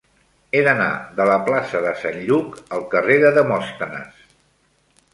He d'anar de la plaça de Sant Lluc al carrer de Demòstenes.